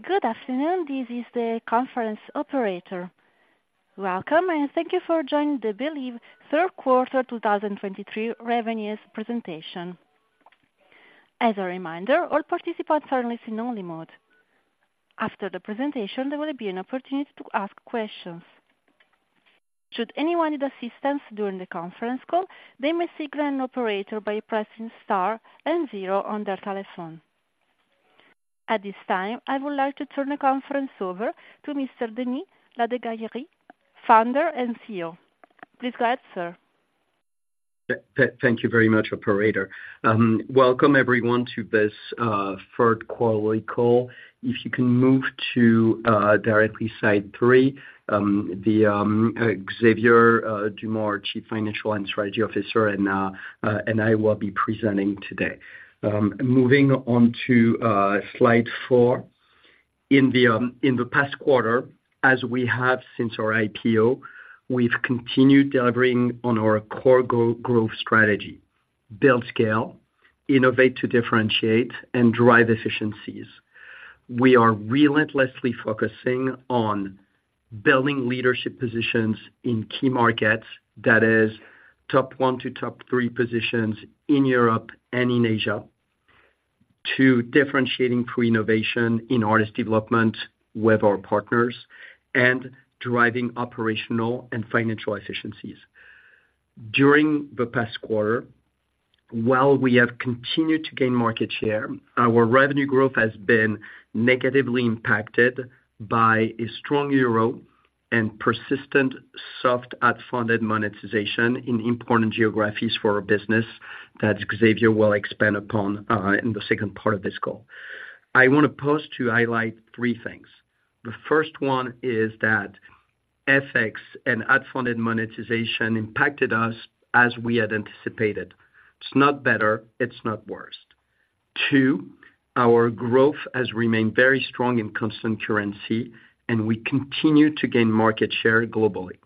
Good afternoon. This is the conference operator. Welcome, and thank you for joining the Believe Third Quarter 2023 Revenues Presentation. As a reminder, all participants are in listen-only mode. After the presentation, there will be an opportunity to ask questions. Should anyone need assistance during the conference call, they may signal an operator by pressing star and zero on their telephone. At this time, I would like to turn the conference over to Mr. Denis Ladegaillerie, founder and CEO. Please go ahead, sir. Thank you very much, operator. Welcome everyone to this 3rd quarterly call. If you can move directly to Slide three, Xavier Dumont, Chief Financial and Strategy Officer, and I will be presenting today. Moving on to Slide four. In the past quarter, as we have since our IPO, we've continued delivering on our core growth strategy, build scale, innovate to differentiate, and drive efficiencies. We are relentlessly focusing on building leadership positions in key markets, that is top one to top three positions in Europe and in Asia, to differentiating through innovation in artist development with our partners and driving operational and financial efficiencies. During the past quarter, while we have continued to gain market share, our revenue growth has been negatively impacted by a strong euro and persistent soft ad-funded monetization in important geographies for our business that Xavier will expand upon in the second part of this call. I want to pause to highlight three things. The first one is that FX and ad-funded monetization impacted us as we had anticipated. It's not better, it's not worse. Two, our growth has remained very strong in constant currency, and we continue to gain market share globally.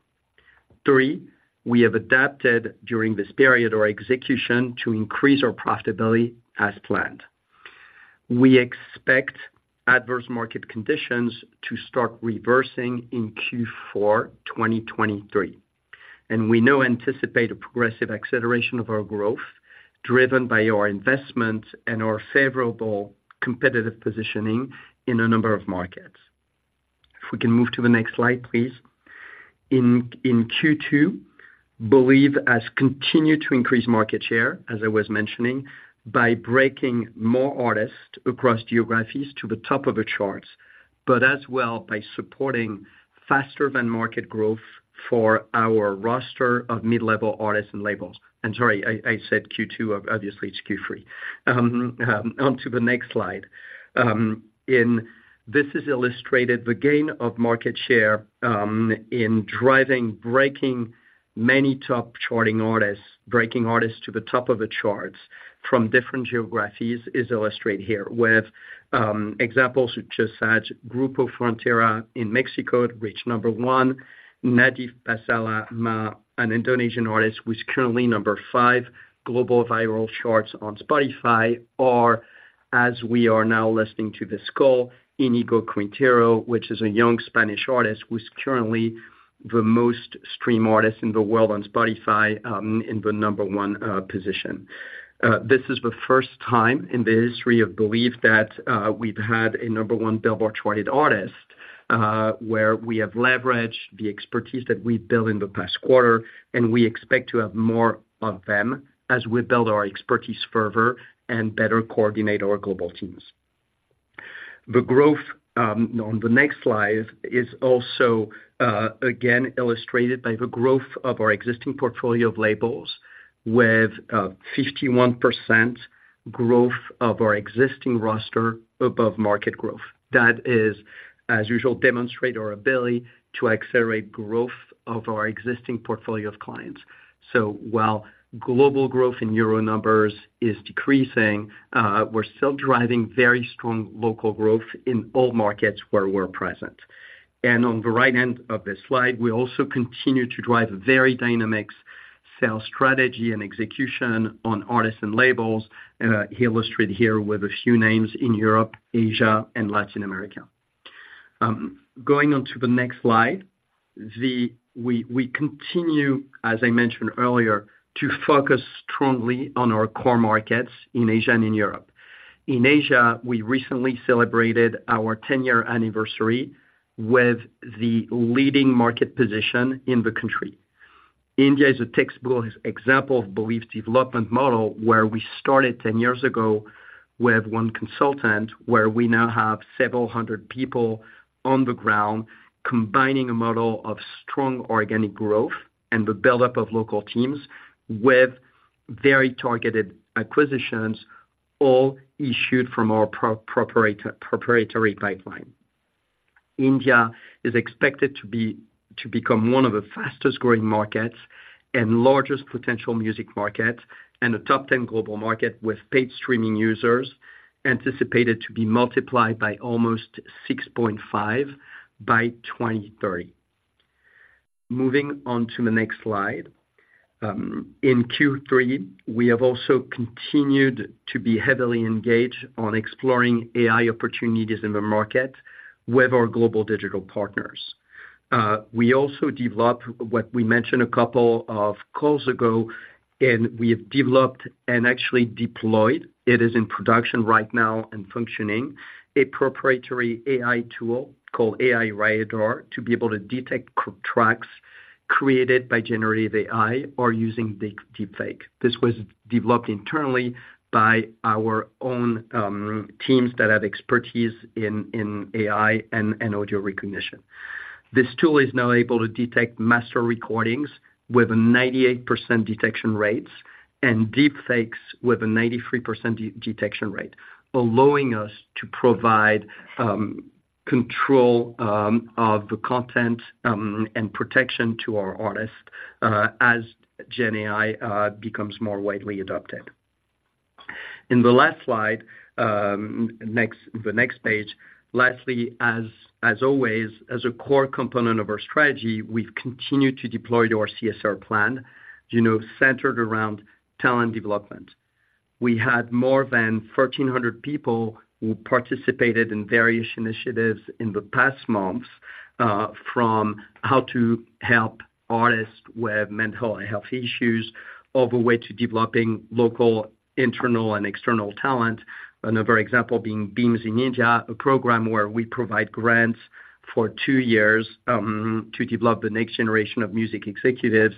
Three, we have adapted during this period our execution to increase our profitability as planned. We expect adverse market conditions to start reversing in Q4 2023, and we now anticipate a progressive acceleration of our growth, driven by our investment and our favorable competitive positioning in a number of markets. If we can move to the next slide, please. In Q2, Believe has continued to increase market share, as I was mentioning, by breaking more artists across geographies to the top of the charts, but as well by supporting faster than market growth for our roster of mid-level artists and labels. Sorry, I said Q2, obviously it's Q3. On to the next slide. In... This is illustrated, the gain of market share, in driving, breaking many top charting artists, breaking artists to the top of the charts from different geographies, is illustrated here with, examples such as Grupo Frontera in Mexico, which number one, Nadhif Basalamah, an Indonesian artist who's currently number five global viral charts on Spotify, or as we are now listening to this call, Íñigo Quintero, which is a young Spanish artist who's currently the most streamed artist in the world on Spotify, in the number one position. This is the first time in the history of Believe that, we've had a number one Billboard charted artist, where we have leveraged the expertise that we built in the past quarter, and we expect to have more of them as we build our expertise further and better coordinate our global teams. The growth on the next slide is also again illustrated by the growth of our existing portfolio of labels with 51% growth of our existing roster above market growth. That is, as usual, demonstrate our ability to accelerate growth of our existing portfolio of clients. So while global growth in euro numbers is decreasing, we're still driving very strong local growth in all markets where we're present. And on the right end of this slide, we also continue to drive a very dynamic sales strategy and execution on artists and labels illustrated here with a few names in Europe, Asia, and Latin America. Going on to the next slide, we continue, as I mentioned earlier, to focus strongly on our core markets in Asia and in Europe. In Asia, we recently celebrated our 10-year anniversary with the leading market position in the country. India is a textbook example of Believe's development model, where we started 10 years ago with one consultant, where we now have several hundred people on the ground, combining a model of strong organic growth and the buildup of local teams with very targeted acquisitions, all issued from our proprietary pipeline. India is expected to be, to become one of the fastest growing markets and largest potential music market, and a top ten global market, with paid streaming users anticipated to be multiplied by almost 6.5 by 2030.... Moving on to the next slide. In Q3, we have also continued to be heavily engaged on exploring AI opportunities in the market with our global digital partners. We also developed what we mentioned a couple of calls ago, and we have developed and actually deployed; it is in production right now and functioning, a proprietary AI tool called AI Radar, to be able to detect tracks created by generative AI or using deepfake. This was developed internally by our own teams that have expertise in AI and audio recognition. This tool is now able to detect master recordings with a 98% detection rate and deepfakes with a 93% detection rate, allowing us to provide control of the content and protection to our artists as Gen AI becomes more widely adopted. In the last slide, next, the next page. Lastly, as always, as a core component of our strategy, we've continued to deploy to our CSR plan, you know, centered around talent development. We had more than 1,300 people who participated in various initiatives in the past months, from how to help artists with mental health issues, all the way to developing local, internal, and external talent. Another example being BEAMS in India, a program where we provide grants for two years to develop the next generation of music executives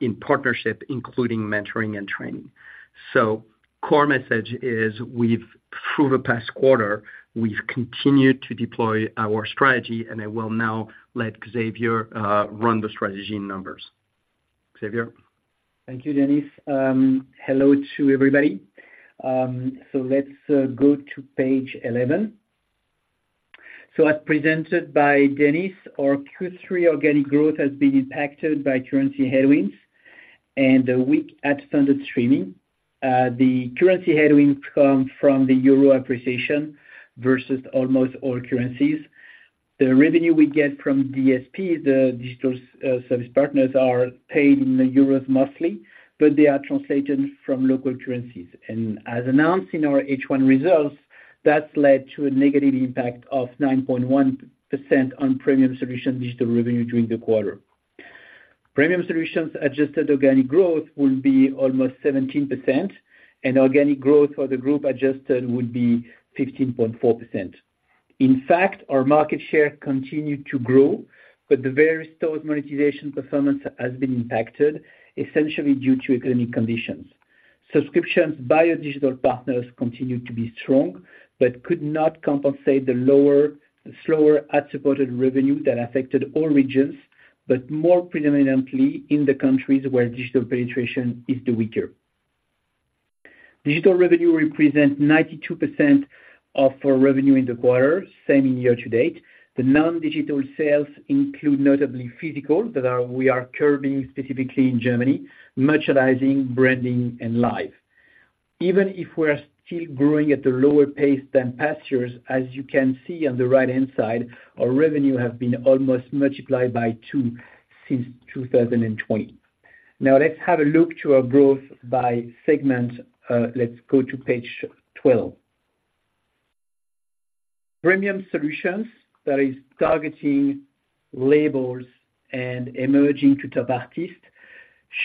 in partnership, including mentoring and training. So core message is we've, through the past quarter, we've continued to deploy our strategy, and I will now let Xavier run the strategy numbers. Xavier? Thank you, Denis. Hello to everybody. So let's go to page 11. So as presented by Denis, our Q3 organic growth has been impacted by currency headwinds and a weak ad-funded streaming. The currency headwinds come from the euro appreciation versus almost all currencies. The revenue we get from DSP, the digital service partners, are paid in euros mostly, but they are translated from local currencies. And as announced in our H1 results, that's led to a negative impact of 9.1% on Premium Solution digital revenue during the quarter. Premium Solutions adjusted organic growth will be almost 17%, and organic growth for the group adjusted would be 15.4%. In fact, our market share continued to grow, but the various stores' monetization performance has been impacted, essentially due to economic conditions. Subscriptions by our digital partners continued to be strong, but could not compensate the lower, slower ad-supported revenue that affected all regions, but more predominantly in the countries where digital penetration is the weaker. Digital revenue represent 92% of our revenue in the quarter, same in year-to-date. The non-digital sales include notably physical, that are - we are curbing specifically in Germany, merchandising, branding, and live. Even if we're still growing at a lower pace than past years, as you can see on the right-hand side, our revenue have been almost multiplied by two since 2020. Now, let's have a look to our growth by segment. Let's go to page 12. Premium Solutions that is targeting labels and emerging to top artists,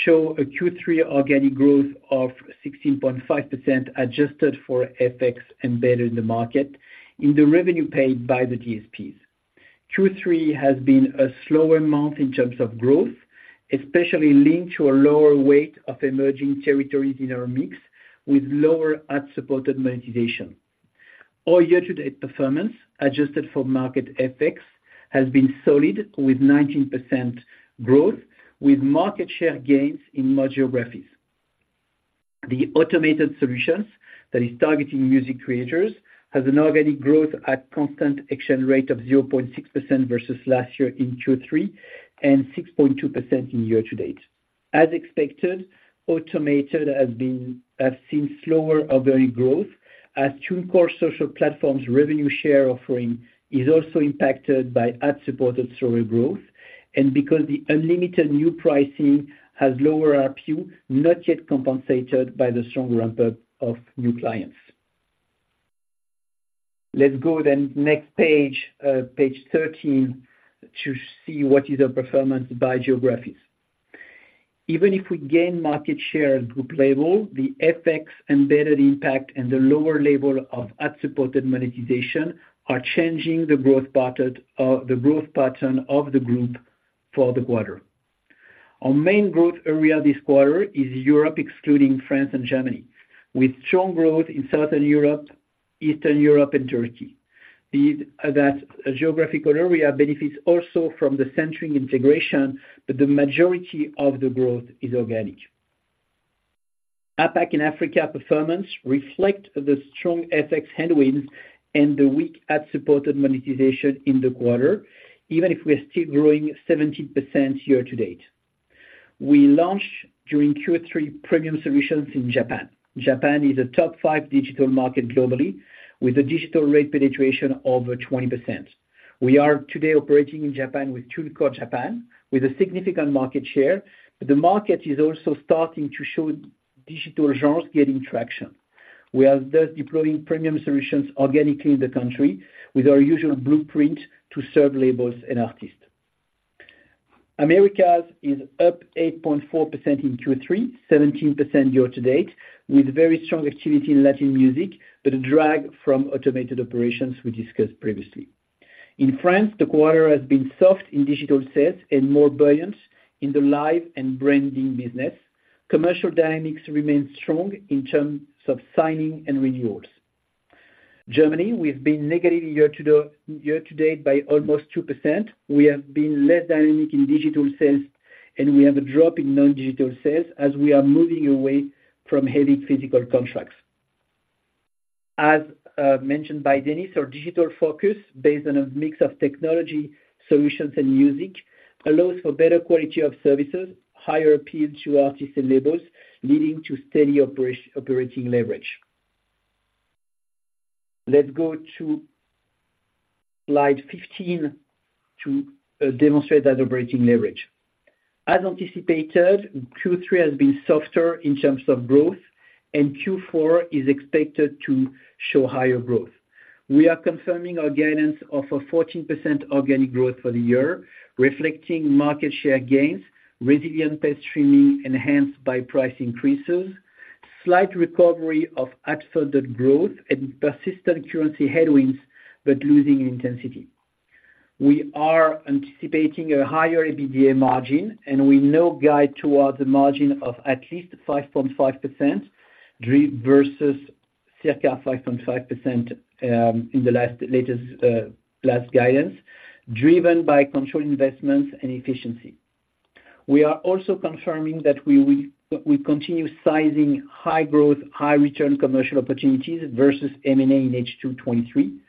show a Q3 organic growth of 16.5%, adjusted for FX and better in the market, in the revenue paid by the DSPs. Q3 has been a slower month in terms of growth, especially linked to a lower weight of emerging territories in our mix, with lower ad-supported monetization. Our year-to-date performance, adjusted for market FX, has been solid, with 19% growth, with market share gains in geographies. The Automated Solutions that is targeting music creators, has an organic growth at constant exchange rate of 0.6% versus last year in Q3, and 6.2% in year-to-date. As expected, automated has seen slower organic growth, as two core social platforms revenue share offering is also impacted by ad-supported story growth, and because the unlimited new pricing has lower ARPU, not yet compensated by the strong ramp-up of new clients. Let's go then, next page, page 13, to see what is our performance by geographies. Even if we gain market share at group level, the FX embedded impact and the lower level of ad-supported monetization are changing the growth pattern, the growth pattern of the group for the quarter. Our main growth area this quarter is Europe, excluding France and Germany, with strong growth in Southern Europe, Eastern Europe, and Turkey. That geographical area benefits also from the Sentric integration, but the majority of the growth is organic. APAC and Africa performance reflect the strong FX headwinds and the weak ad-supported monetization in the quarter, even if we are still growing 70% year-to-date. We launched during Q3 premium solutions in Japan. Japan is a top five digital market globally, with a digital penetration rate over 20%. We are today operating in Japan with TuneCore Japan, with a significant market share. But the market is also starting to show digital genres getting traction. We are thus deploying Premium Solutions organically in the country, with our usual blueprint to serve labels and artists. Americas is up 8.4% in Q3, 17% year to date, with very strong activity in Latin music, but a drag from automated operations we discussed previously. In France, the quarter has been soft in digital sales and more buoyant in the live and branding business. Commercial dynamics remain strong in terms of signing and renewals. Germany, we've been negative year to date by almost 2%. We have been less dynamic in digital sales, and we have a drop in non-digital sales as we are moving away from heavy physical contracts. As mentioned by Denis, our digital focus, based on a mix of technology solutions and music, allows for better quality of services, higher appeal to artists and labels, leading to steady operating leverage. Let's go to Slide 15 to demonstrate that operating leverage. As anticipated, Q3 has been softer in terms of growth, and Q4 is expected to show higher growth. We are confirming our guidance of a 14% organic growth for the year, reflecting market share gains, resilient paid streaming enhanced by price increases, slight recovery of ad-funded growth and persistent currency headwinds, but losing intensity. We are anticipating a higher EBITDA margin, and we now guide towards a margin of at least 5.5%, versus circa 5.5% in the latest guidance, driven by controlled investments and efficiency. We are also confirming that we will, we continue sizing high growth, high return commercial opportunities versus M&A in H2 2023.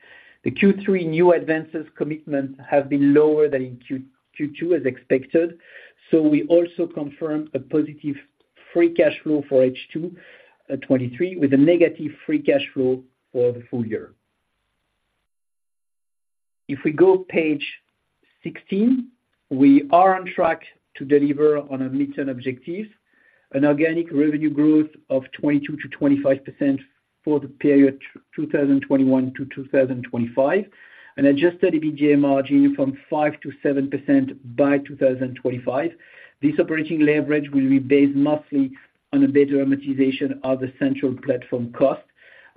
The Q3 new advances commitment have been lower than in Q2, Q2 as expected, so we also confirmed a positive free cash flow for H2 2023, with a negative free cash flow for the full year. If we go page 16, we are on track to deliver on our mid-term objectives, an organic revenue growth of 22%-25% for the period 2021-2025, an adjusted EBITDA margin from 5%-7% by 2025. This operating leverage will be based mostly on a better amortization of the central platform cost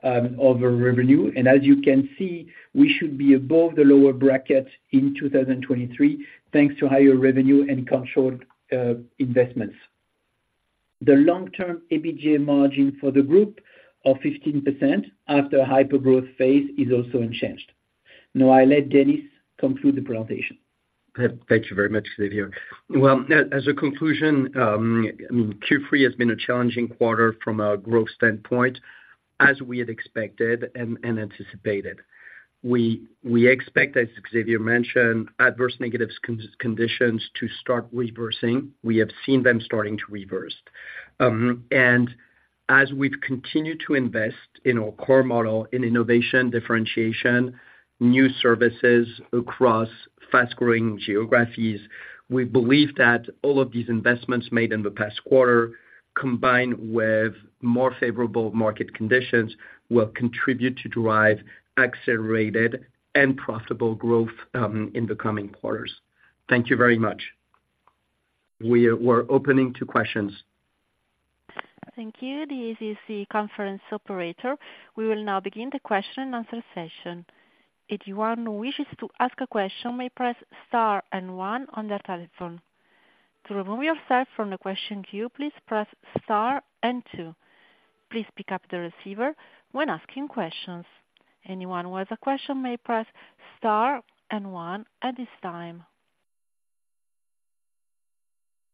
over revenue. As you can see, we should be above the lower bracket in 2023, thanks to higher revenue and controlled investments. The long-term EBITDA margin for the group of 15% after a hyper growth phase is also unchanged. Now, I let Denis conclude the presentation. Thank you very much, Xavier. Well, as a conclusion, Q3 has been a challenging quarter from a growth standpoint, as we had expected and anticipated. We expect, as Xavier mentioned, adverse negative conditions to start reversing. We have seen them starting to reverse. And as we've continued to invest in our core model in innovation, differentiation, new services across fast-growing geographies, we believe that all of these investments made in the past quarter, combined with more favorable market conditions, will contribute to drive accelerated and profitable growth, in the coming quarters. Thank you very much. We're opening to questions. Thank you. This is the conference operator. We will now begin the question and answer session. If anyone wishes to ask a question, they may press star and one on their telephone. To remove yourself from the question queue, please press star and two. Please pick up the receiver when asking questions. Anyone who has a question may press star and one at this time.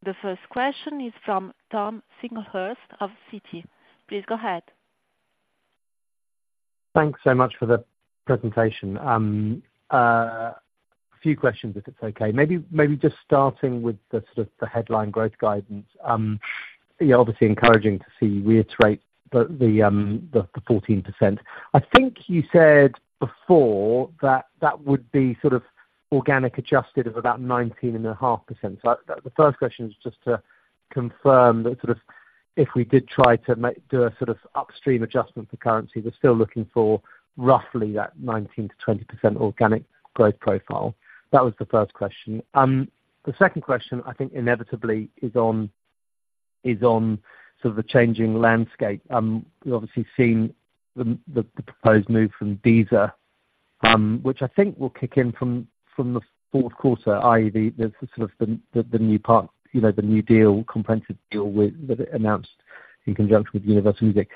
The first question is from Tom Singlehurst of Citi. Please go ahead. Thanks so much for the presentation. A few questions, if it's okay. Maybe just starting with sort of the headline growth guidance. Yeah, obviously encouraging to see you reiterate the 14%. I think you said before that that would be sort of organic adjusted of about 19.5%. So the first question is just to confirm that sort of, if we did try to make a sort of upstream adjustment for currency, we're still looking for roughly that 19%-20% organic growth profile. That was the first question. The second question, I think inevitably is on sort of the changing landscape. We've obviously seen the proposed move from Deezer, which I think will kick in from the fourth quarter, i.e., the sort of the new part, you know, the new deal, comprehensive deal with that it announced in conjunction with Universal Music.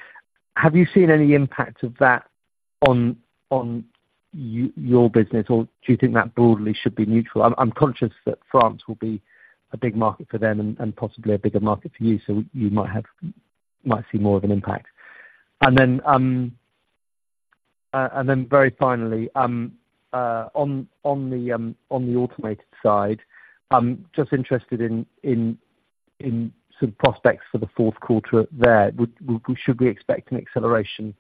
Have you seen any impact of that on your business, or do you think that broadly should be neutral? I'm conscious that France will be a big market for them and possibly a bigger market for you, so you might see more of an impact. And then very finally, on the Automated Side, I'm just interested in sort of prospects for the fourth quarter there. Should we expect an acceleration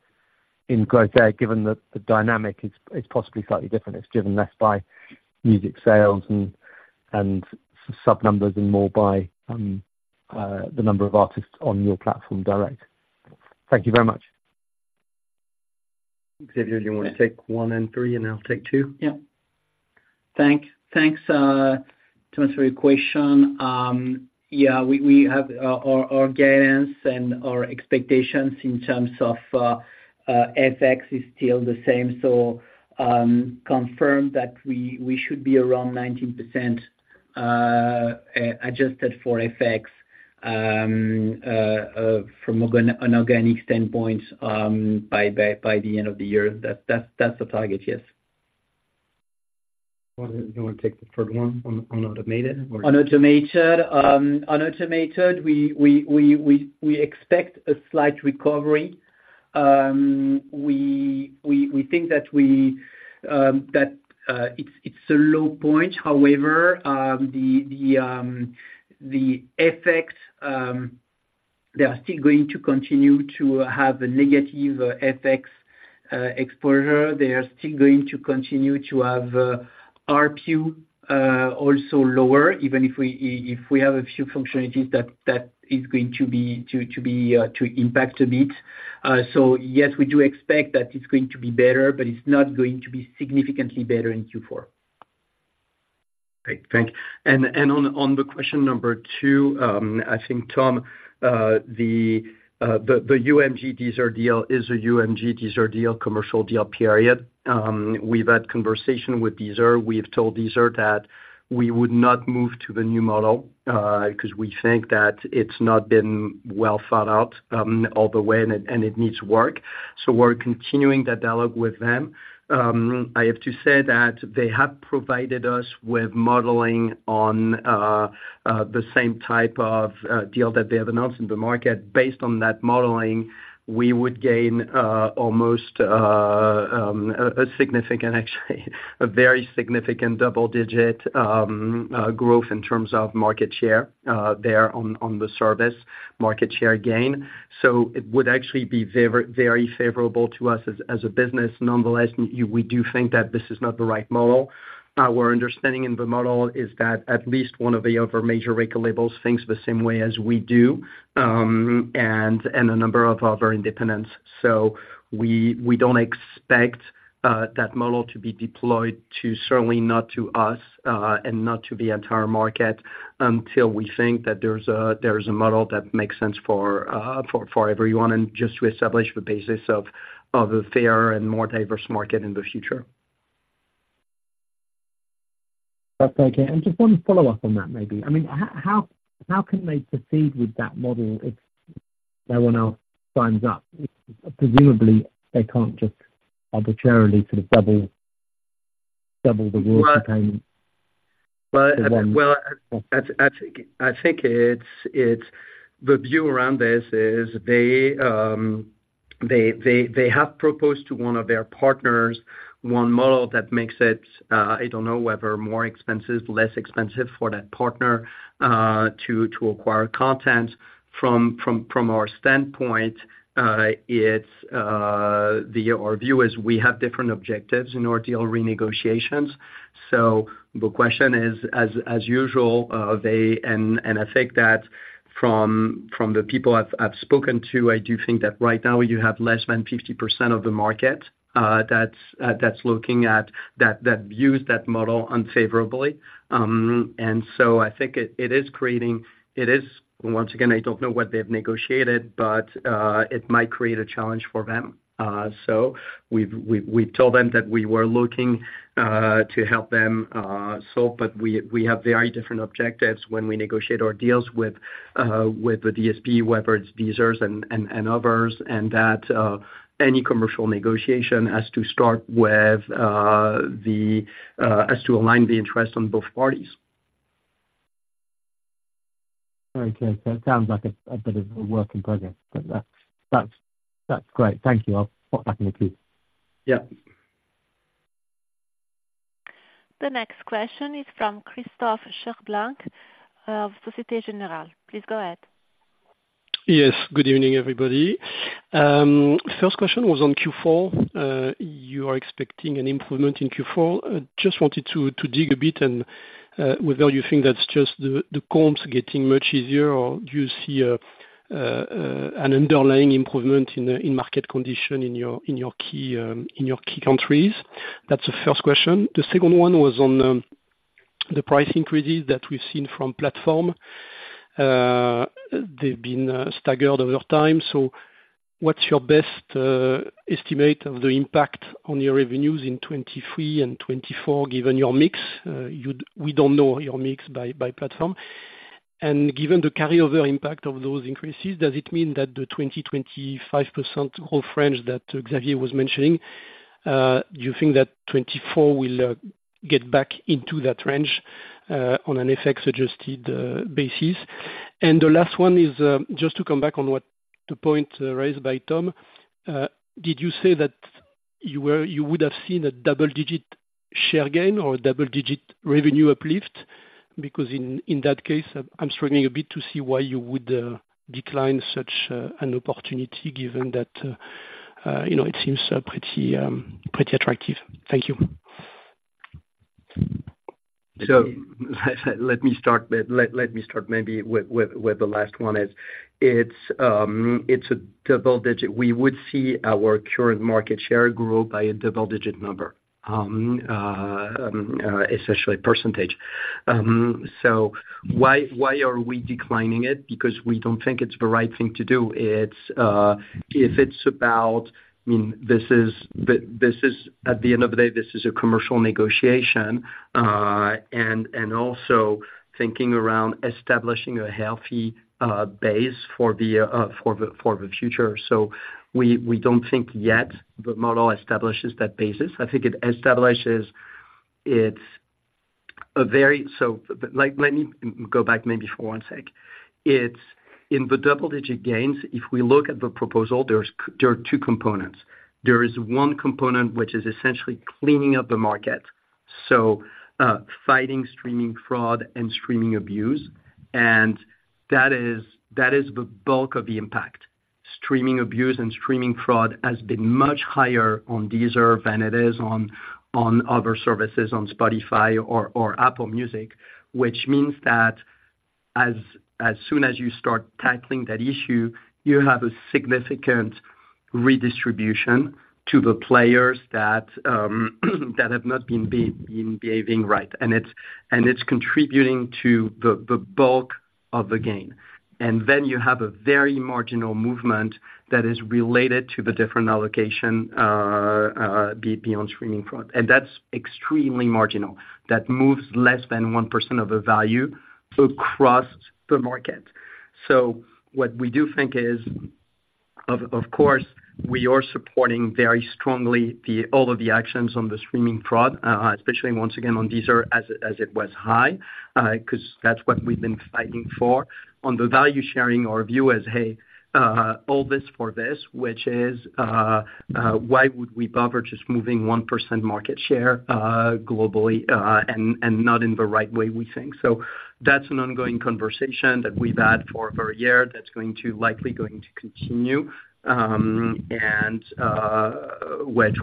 in growth there, given that the dynamic is possibly slightly different? It's driven less by music sales and sub numbers and more by the number of artists on your platform direct. Thank you very much. Xavier, do you want to take one and three, and I'll take two? Yeah. Thanks, to answer your question, yeah, we have our guidance and our expectations in terms of FX is still the same. So, confirm that we should be around 19%, adjusted for FX, from an organic standpoint, by the end of the year. That's the target, yes. Well, you wanna take the third one on, on automated or? On automated, we expect a slight recovery. We think that it's a low point. However, the FX, they are still going to continue to have a negative FX exposure. They are still going to continue to have ARPU also lower, even if we have a few functionalities, that is going to be to impact a bit. So yes, we do expect that it's going to be better, but it's not going to be significantly better in Q4. Great, thank you. And on the question number two, I think, Tom, the UMG Deezer deal is a UMG Deezer deal, commercial deal period. We've had conversation with Deezer. We've told Deezer that we would not move to the new model, because we think that it's not been well thought out all the way, and it needs work. So we're continuing the dialogue with them. I have to say that they have provided us with modeling on the same type of deal that they have announced in the market. Based on that modeling, we would gain almost a significant, actually, a very significant double digit growth in terms of market share there on the service market share gain. So it would actually be very favorable to us as a business. Nonetheless, we do think that this is not the right model. Our understanding of the model is that at least one of the other major record labels thinks the same way as we do, and a number of other independents. So we don't expect that model to be deployed, certainly not to us, and not to the entire market, until we think that there's a model that makes sense for everyone and just to establish the basis of a fairer and more diverse market in the future. That's okay. Just one follow-up on that, maybe. I mean, how can they proceed with that model if no one else signs up? Presumably, they can't just arbitrarily sort of double the payment. Well, I think it's... The view around this is they have proposed to one of their partners one model that makes it, I don't know whether more expensive, less expensive for that partner, to acquire content. From our standpoint, it's our view is we have different objectives in our deal renegotiations. So the question is, as usual, they... And I think that from the people I've spoken to, I do think that right now you have less than 50% of the market, that's looking at that views that model unfavorably. And so I think it is creating, it is once again, I don't know what they've negotiated, but it might create a challenge for them. So we've told them that we were looking to help them solve, but we have very different objectives when we negotiate our deals with the DSP, whether it's Deezer and others, and that any commercial negotiation has to start with as to align the interest on both parties. Okay. So it sounds like a bit of a work in progress, but that's great. Thank you. I'll pop back in the queue. Yeah. The next question is from Christophe Cherblanc of Société Générale. Please go ahead. Yes, good evening, everybody. First question was on Q4. You are expecting an improvement in Q4. Just wanted to dig a bit and whether you think that's just the comps getting much easier or do you see an underlying improvement in market condition in your key countries? That's the first question. The second one was on the price increases that we've seen from platform. They've been staggered over time, so what's your best estimate of the impact on your revenues in 2023 and 2024, given your mix? We don't know your mix by platform. Given the carryover impact of those increases, does it mean that the 20%-25% whole range that Xavier was mentioning, do you think that 2024 will get back into that range on an FX adjusted basis? The last one is just to come back on what the point raised by Tom. Did you say that you were- you would have seen a double-digit share gain or a double-digit revenue uplift? Because in that case, I'm struggling a bit to see why you would decline such an opportunity, given that you know it seems pretty attractive. Thank you. So let me start maybe with the last one is. It's a double digit. We would see our current market share grow by a double digit number, essentially percentage. So why are we declining it? Because we don't think it's the right thing to do. It's if it's about. I mean, this is the, this is, at the end of the day, this is a commercial negotiation. And also thinking around establishing a healthy base for the future. So we don't think yet the model establishes that basis. I think it establishes. It's a very. So, like, let me go back maybe for one sec. It's in the double digit gains, if we look at the proposal, there are two components. There is one component which is essentially cleaning up the market. So, fighting streaming fraud and streaming abuse, and that is the bulk of the impact. Streaming abuse and streaming fraud has been much higher on Deezer than it is on other services, on Spotify or Apple Music. Which means that as soon as you start tackling that issue, you have a significant redistribution to the players that have not been behaving right. And it's contributing to the bulk of the gain. And then you have a very marginal movement that is related to the different allocation beyond streaming fraud, and that's extremely marginal. That moves less than 1% of the value across the market. So what we do think is, of course, we are supporting very strongly all of the actions on the streaming fraud, especially once again on Deezer, as it was high, 'cause that's what we've been fighting for. On the value sharing, our view is, hey, all this for this, which is, why would we bother just moving 1% market share, globally? And not in the right way, we think. So that's an ongoing conversation that we've had for over a year, that's likely going to continue. And which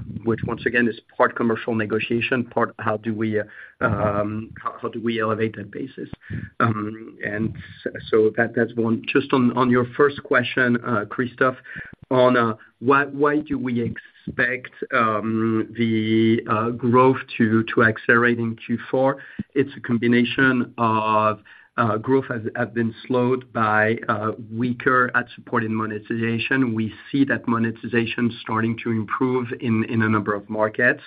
once again is part commercial negotiation, part how do we elevate that basis? So that's one. Just on your first question, Christophe, on why do we expect the growth to accelerate in Q4? It's a combination of growth has been slowed by weaker ad support and monetization. We see that monetization starting to improve in a number of markets.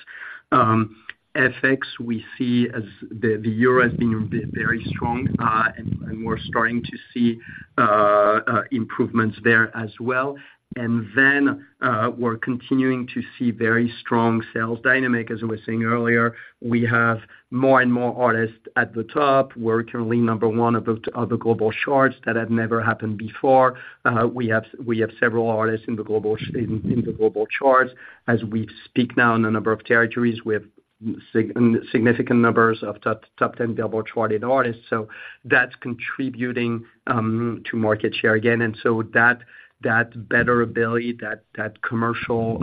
FX, we see as the Euro has been very strong, and we're starting to see improvements there as well. And then, we're continuing to see very strong sales dynamic. As I was saying earlier, we have more and more artists at the top. We're currently number one of the global charts. That had never happened before. We have several artists in the global charts. As we speak now, in a number of territories, we have significant numbers of top ten global charted artists. So that's contributing to market share again, and so that better ability, that commercial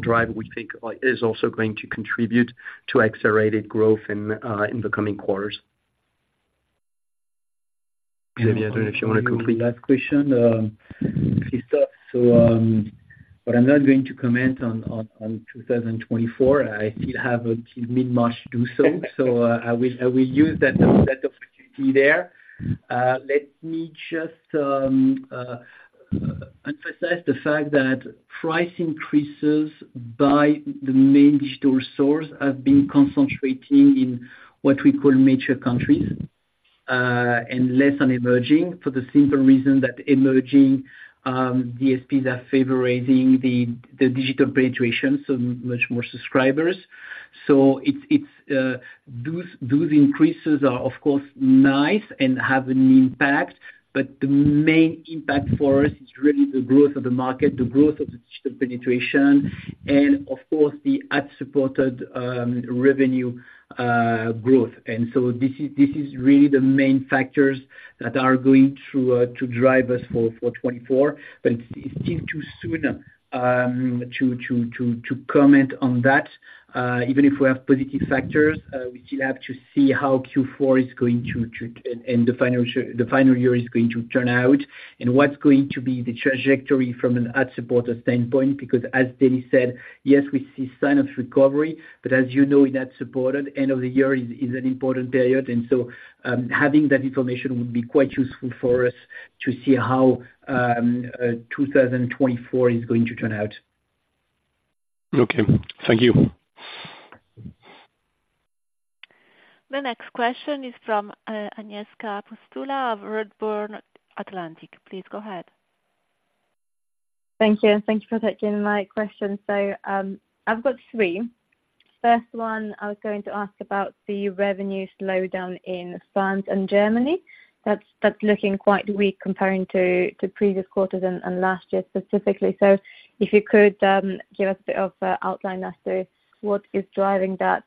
drive, we think is also going to contribute to accelerated growth in the coming quarters. If you want to complete the last question, Christophe, so, but I'm not going to comment on 2024. I still have until mid-March to do so. So I will use that opportunity there. Let me just emphasize the fact that price increases by the main digital source have been concentrating in what we call mature countries, and less on emerging, for the simple reason that emerging DSPs are favoring the digital penetration, so much more subscribers. So it's those increases are of course nice and have an impact, but the main impact for us is really the growth of the market, the growth of the digital penetration, and of course, the ad-supported revenue growth. This is really the main factors that are going to drive us for 2024. But it's still too soon to comment on that. Even if we have positive factors, we still have to see how Q4 is going to and the final quarter, the final year is going to turn out, and what's going to be the trajectory from an ad-supported standpoint. Because as Denis said, "Yes, we see signs of recovery," but as you know, in ad-supported, end of the year is an important period. Having that information would be quite useful for us to see how 2024 is going to turn out. Okay, thank you. The next question is from, Agnieszka Pustuła of Redburn Atlantic. Please go ahead. Thank you, and thank you for taking my question. So, I've got three. First one, I was going to ask about the revenue slowdown in France and Germany. That's looking quite weak comparing to previous quarters and last year specifically. So if you could give us a bit of outline as to what is driving that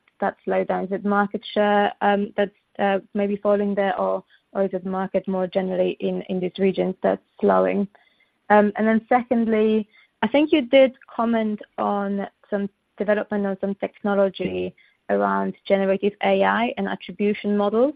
slowdown. Is it market share that's maybe falling there, or is it market more generally in these regions that's slowing? And then secondly, I think you did comment on some development of some technology around Generative AI and attribution models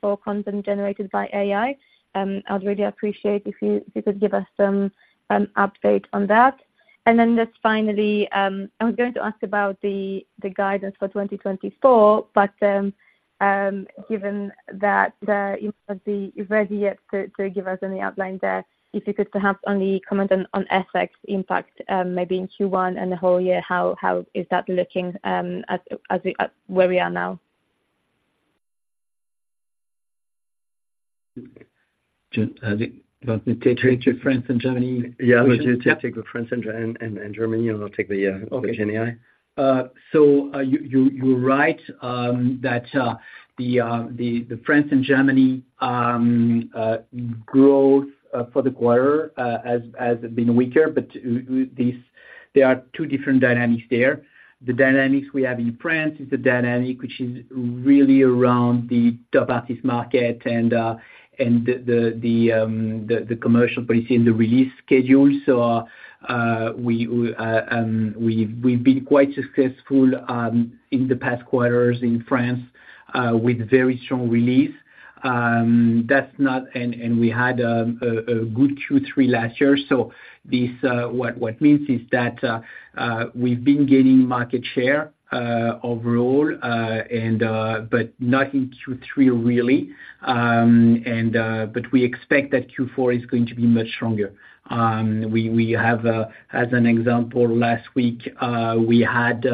for content generated by AI. I would really appreciate if you could give us some an update on that. And then just finally, I was going to ask about the guidance for 2024, but, given that, you know, you're not ready yet to give us any outline there, if you could perhaps only comment on FX impact, maybe in Q1 and the whole year, how is that looking, as we are now? Do, do you want me to take France and Germany? Yeah. I will take the France and Germany, and I'll take the, Okay. The GenAI. So, you're right that the France and Germany growth for the quarter has been weaker, but these, there are two different dynamics there. The dynamics we have in France is the dynamic which is really around the top artist market and the commercial policy and the release schedule. So, we've been quite successful in the past quarters in France with very strong release. And we had a good Q3 last year. So what this means is that we've been gaining market share overall, but not in Q3 really, but we expect that Q4 is going to be much stronger. We have. As an example, last week, we had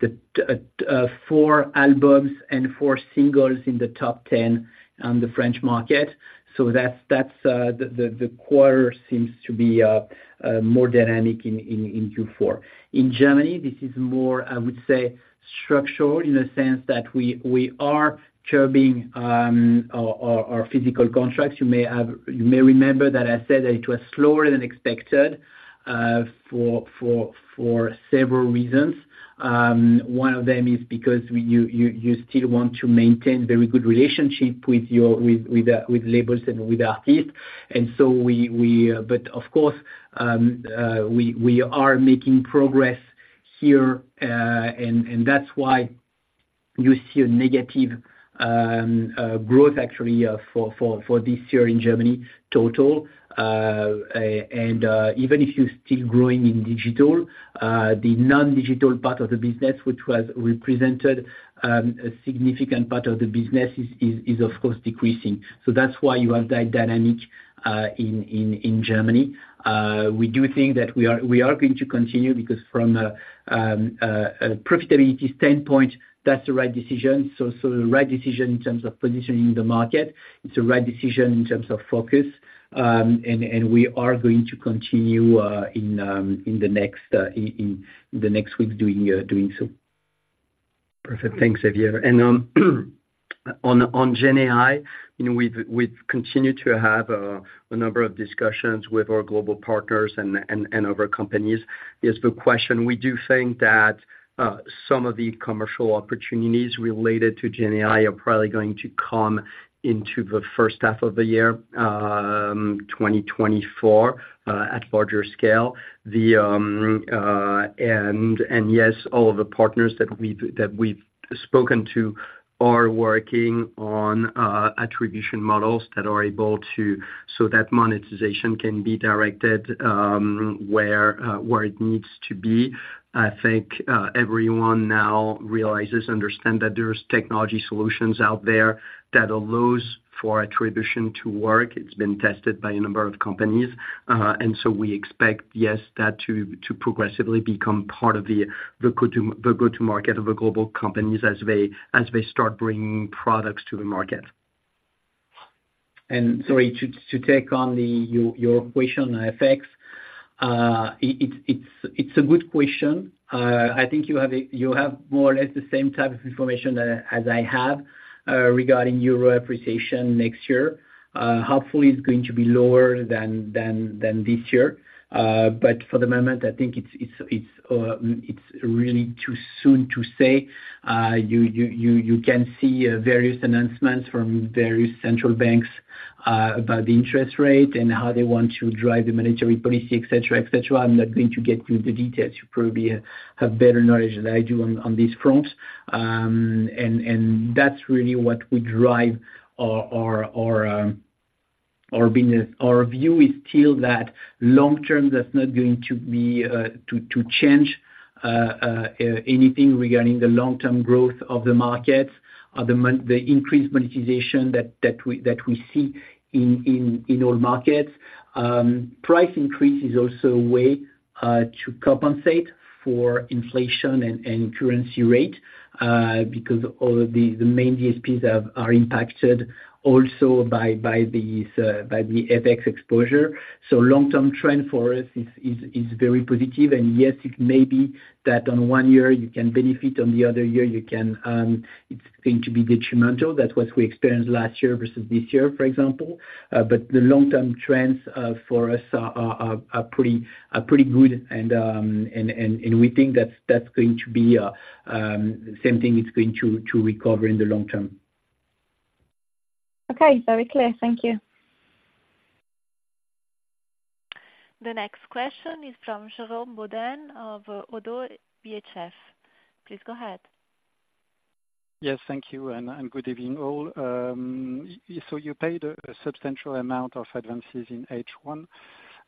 the 4 albums and 4 singles in the top 10 on the French market. So that's the quarter seems to be more dynamic in Q4. In Germany, this is more, I would say, structural, in the sense that we are curbing our physical contracts. You may remember that I said that it was slower than expected, for several reasons. One of them is because we still want to maintain very good relationship with your labels and with artists. And so we but of course we are making progress here, and that's why you see a negative growth actually for this year in Germany, total. And even if you're still growing in digital, the non-digital part of the business, which was represented a significant part of the business, is of course decreasing. So that's why you have that dynamic in Germany. We do think that we are going to continue, because from a profitability standpoint, that's the right decision. So the right decision in terms of positioning the market, it's a right decision in terms of focus. And we are going to continue in the next weeks doing so. Perfect. Thanks, Xavier. And, on GenAI, you know, we've continued to have a number of discussions with our global partners and other companies. Here's the question: We do think that some of the commercial opportunities related to GenAI are probably going to come into the first half of the year, 2024, at larger scale. And yes, all of the partners that we've spoken to are working on attribution models that are able to- so that monetization can be directed where it needs to be. I think everyone now realizes, understand that there's technology solutions out there that allows for attribution to work. It's been tested by a number of companies. And so we expect, yes, that to progressively become part of the go-to market of the global companies as they start bringing products to the market. Sorry, to take on your question on FX. It's a good question. I think you have more or less the same type of information that I have regarding euro appreciation next year. Hopefully it's going to be lower than this year. But for the moment, I think it's really too soon to say. You can see various announcements from various central banks about the interest rate and how they want to drive the monetary policy, et cetera, et cetera. I'm not going to get into the details. You probably have better knowledge than I do on this front. And that's really what will drive our... Our business, our view is still that long term, that's not going to be to change anything regarding the long-term growth of the market, the increased monetization that we see in all markets. Price increase is also a way to compensate for inflation and currency rate because all the main DSPs are impacted also by these by the FX exposure. So long-term trend for us is very positive, and yes, it may be that on one year you can benefit, on the other year, you can, it's going to be detrimental. That's what we experienced last year versus this year, for example. But the long-term trends for us are pretty good. We think that's going to be same thing is going to recover in the long term. Okay, very clear. Thank you. The next question is from Jérôme Bodin of ODDO BHF. Please go ahead. Yes, thank you and good evening, all. So you paid a substantial amount of advances in H1.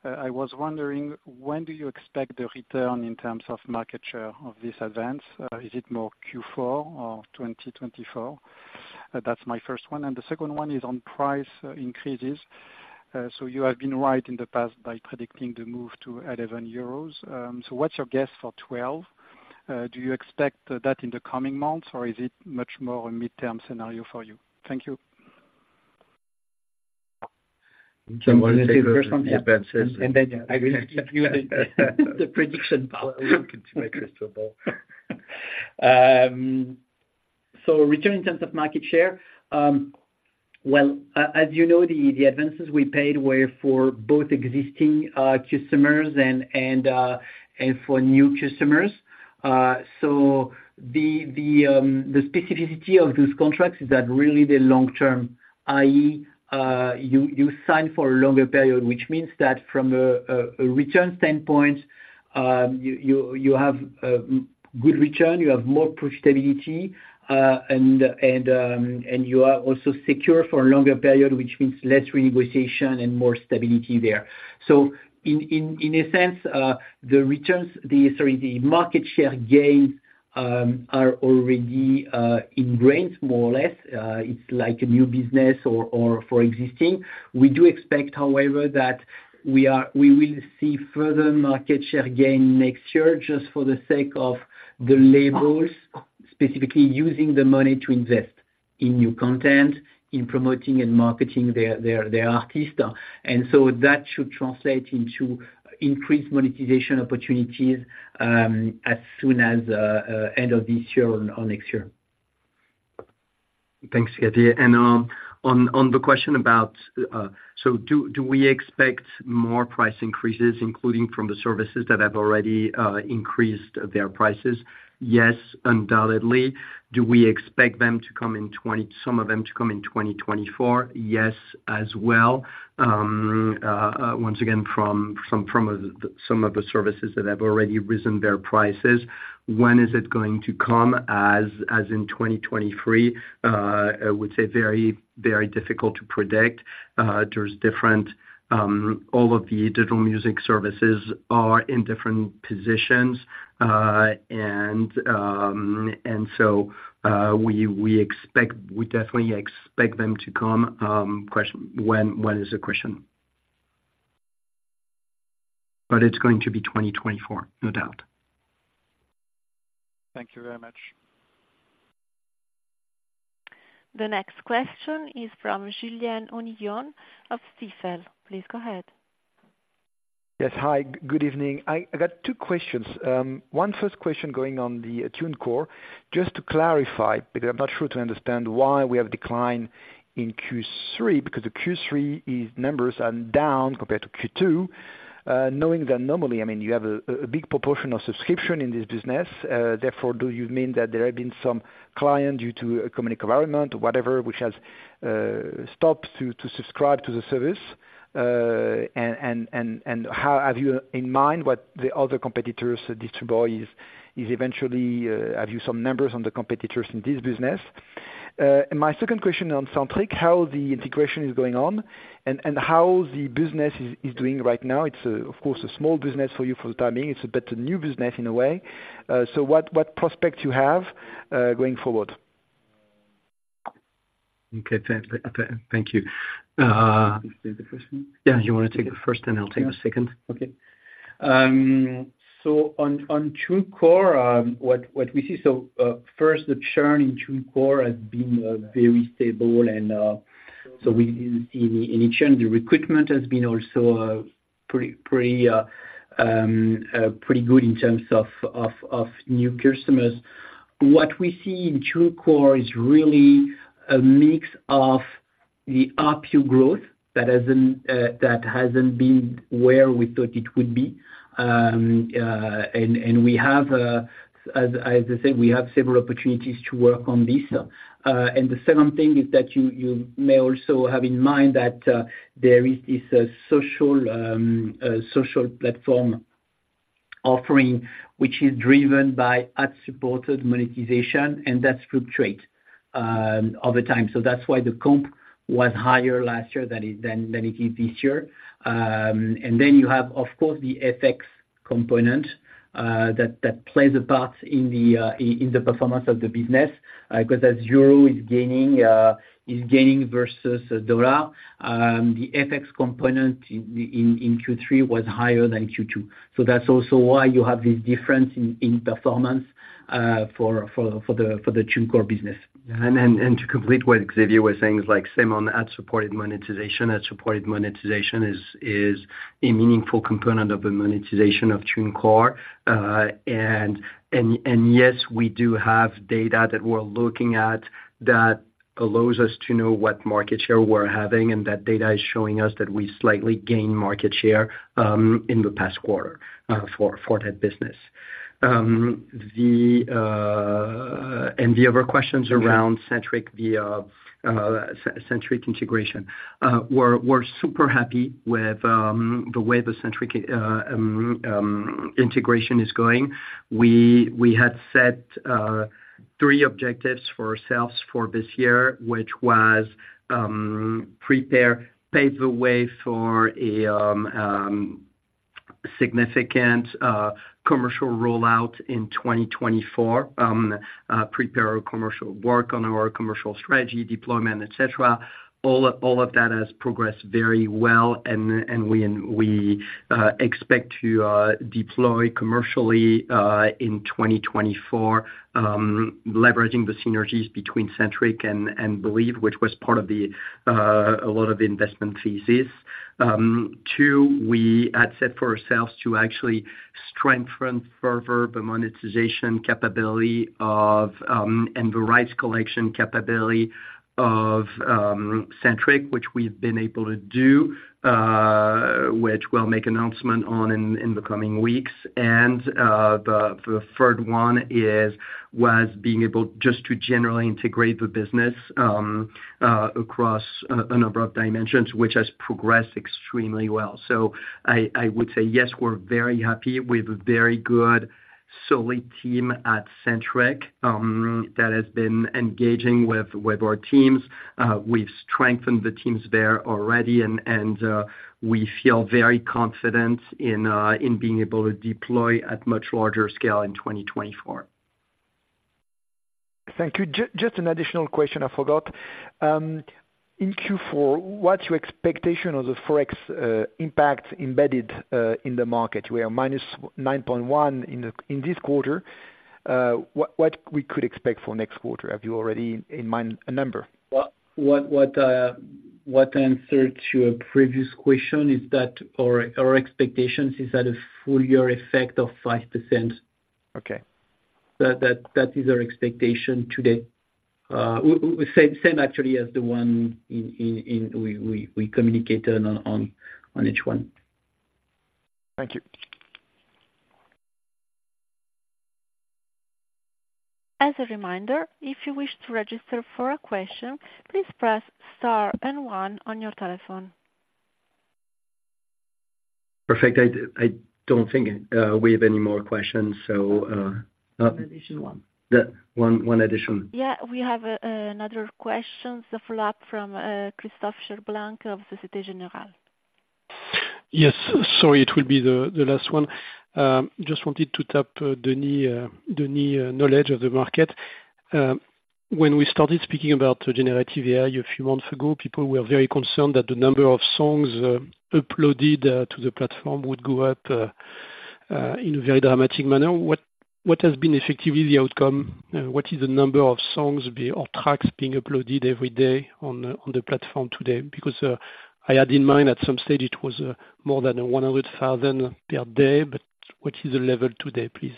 I was wondering, when do you expect the return in terms of market share of this advance? Is it more Q4 or 2024? That's my first one, and the second one is on price increases. So you have been right in the past by predicting the move to 11 euros. So what's your guess for 12? Do you expect that in the coming months, or is it much more a midterm scenario for you? Thank you. Do you want me to take the first one? advances. Then I will give you the prediction part. Well, I want to make a crystal ball. So return in terms of market share. Well, as you know, the advances we paid were for both existing customers and for new customers. So the specificity of those contracts is that really the long term, i.e., you sign for a longer period, which means that from a return standpoint, you have good return, you have more profitability, and you are also secure for a longer period, which means less renegotiation and more stability there. So in a sense, the returns... Sorry, the market share gains are already ingrained, more or less. It's like a new business or for existing. We do expect, however, that we will see further market share gain next year, just for the sake of the labels, specifically using the money to invest in new content, in promoting and marketing their artist. So that should translate into increased monetization opportunities, as soon as end of this year or next year. Thanks, Xavier. And, on the question about, so do we expect more price increases, including from the services that have already increased their prices? Yes, undoubtedly. Do we expect them to come in 2024 - some of them to come in 2024? Yes, as well. Once again, from some of the services that have already risen their prices. When is it going to come? As in 2023, I would say very, very difficult to predict. There's different... All of the digital music services are in different positions, and so we expect - we definitely expect them to come, question, when is the question. But it's going to be 2024, no doubt. Thank you very much. The next question is from Julian Onion of Stifel. Please go ahead. Yes. Hi, good evening. I got two questions. One first question going on the TuneCore, just to clarify, because I'm not sure to understand why we have decline in Q3, because the Q3's numbers are down compared to Q2. Knowing that normally, I mean, you have a big proportion of subscription in this business, therefore, do you mean that there have been some client, due to economic environment or whatever, which has stopped to subscribe to the service? And how have you in mind what the other competitors, distributors, is eventually, have you some numbers on the competitors in this business? And my second question on Sentric, how the integration is going on, and how the business is doing right now. It's of course, a small business for you for the time being. It's a bit new business in a way. So what prospects you have going forward? Okay, thank you. You take the first one? Yeah, you want to take the first, and I'll take the second? Okay. So on, on TuneCore, what, what we see, so, first, the churn in TuneCore has been, very stable and, so we in, in, in churn, the recruitment has been also, pretty, pretty, pretty good in terms of, of, of new customers. What we see in TuneCore is really a mix of the ARPU growth that hasn't, that hasn't been where we thought it would be. And, and we have, as, as I said, we have several opportunities to work on this. And the second thing is that you, you may also have in mind that, there is this, social, social platform-... offering, which is driven by ad-supported monetization, and that fluctuates, over time. So that's why the comp was higher last year than it, than, than it is this year. And then you have, of course, the FX component that plays a part in the performance of the business. Because as euro is gaining versus dollar, the FX component in Q3 was higher than Q2. So that's also why you have this difference in performance for the TuneCore business. And then to complete what Xavier was saying, is like same on ad-supported monetization. Ad-supported monetization is a meaningful component of the monetization of TuneCore. And yes, we do have data that we're looking at that allows us to know what market share we're having, and that data is showing us that we slightly gained market share in the past quarter for that business. The other questions around Sentric, the Sentric integration. We're super happy with the way the Sentric integration is going. We had set three objectives for ourselves for this year, which was prepare, pave the way for a significant commercial rollout in 2024. Prepare our commercial work on our commercial strategy, deployment, et cetera. All of that has progressed very well, and we expect to deploy commercially in 2024. Leveraging the synergies between Sentric and Believe, which was part of a lot of the investment thesis. Two, we had set for ourselves to actually strengthen further the monetization capability of and the rights collection capability of Sentric, which we've been able to do, which we'll make announcement on in the coming weeks. And the third one was being able just to generally integrate the business across a number of dimensions, which has progressed extremely well. So I would say, yes, we're very happy. We have a very good, solid team at Sentric that has been engaging with our teams. We've strengthened the teams there already, and we feel very confident in being able to deploy at much larger scale in 2024. Thank you. Just an additional question I forgot. In Q4, what's your expectation of the Forex impact embedded in the market? We are minus 9.1 in this quarter. What we could expect for next quarter? Have you already in mind a number? Well, what answered to your previous question is that our expectations is at a full year effect of 5%. Okay. That is our expectation today. Same actually as the one in we communicated on H1. Thank you. As a reminder, if you wish to register for a question, please press star and one on your telephone. Perfect. I don't think we have any more questions, so. Additional one. Yeah, one additional. Yeah, we have another question. The follow-up from Christophe Cherblanc of Société Générale. Yes. Sorry, it will be the last one. Just wanted to tap Denis' knowledge of the market. When we started speaking about generative AI a few months ago, people were very concerned that the number of songs uploaded to the platform would go up in a very dramatic manner. What has been effectively the outcome? What is the number of songs or tracks being uploaded every day on the platform today? Because I had in mind at some stage it was more than 100,000 per day, but what is the level today, please?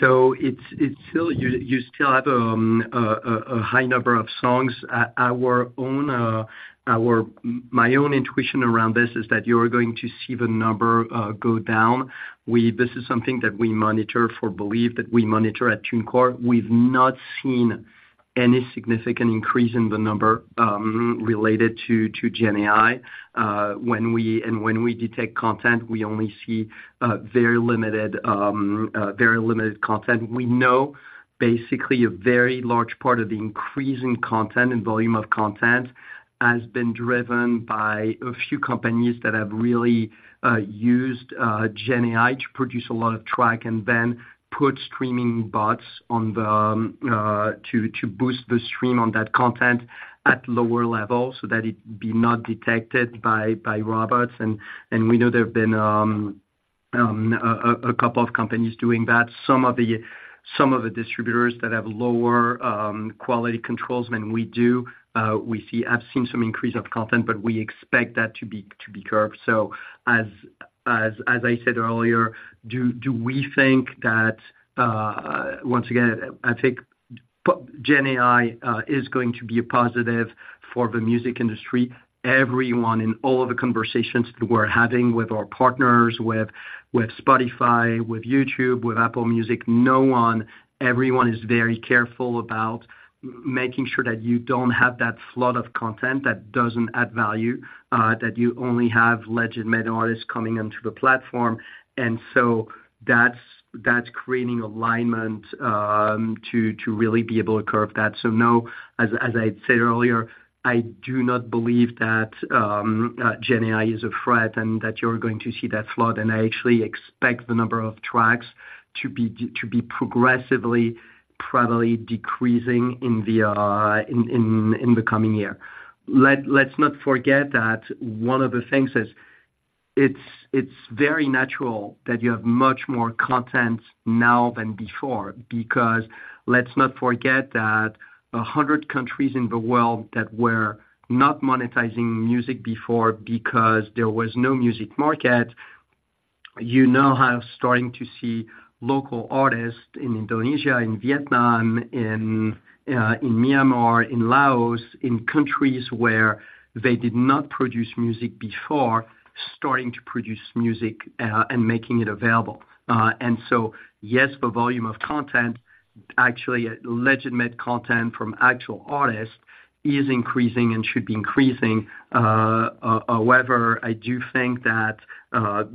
So it's still... You still have a high number of songs. At our own, my own intuition around this is that you're going to see the number go down. This is something that we monitor for Believe, that we monitor at TuneCore. We've not seen any significant increase in the number related to Gen AI. When we detect content, we only see very limited, very limited content. We know basically a very large part of the increase in content and volume of content has been driven by a few companies that have really used Gen AI to produce a lot of track, and then put streaming bots on the to boost the stream on that content at lower levels so that it be not detected by robots. And we know there have been a couple of companies doing that. Some of the distributors that have lower quality controls than we do, we have seen some increase of content, but we expect that to be curbed. So as I said earlier, do we think that once again, I think Gen AI is going to be a positive for the music industry. Everyone in all of the conversations that we're having with our partners, with Spotify, with YouTube, with Apple Music, no one, everyone is very careful about making sure that you don't have that flood of content that doesn't add value, that you only have legitimate artists coming onto the platform. And so that's creating alignment to really be able to curb that. So no, as I said earlier, I do not believe that Gen AI is a threat and that you're going to see that flood. And I actually expect the number of tracks to be progressively probably decreasing in the coming year. Let's not forget that one of the things is, it's very natural that you have much more content now than before, because let's not forget that 100 countries in the world that were not monetizing music before because there was no music market, you now are starting to see local artists in Indonesia, in Vietnam, in Myanmar, in Laos, in countries where they did not produce music before, starting to produce music, and making it available. And so, yes, the volume of content, actually, legitimate content from actual artists, is increasing and should be increasing. However, I do think that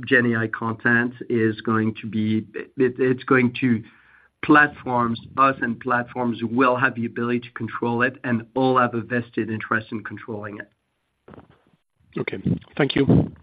Gen AI content is going to be... It's going to platforms, us and platforms will have the ability to control it, and all have a vested interest in controlling it. Okay. Thank you.